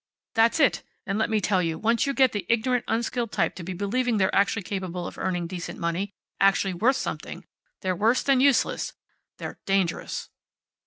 "That's it. And let me tell you, once you get the ignorant, unskilled type to believing they're actually capable of earning decent money, actually worth something, they're worse than useless. They're dangerous."